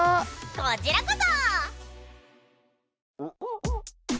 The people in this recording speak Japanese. こちらこそ！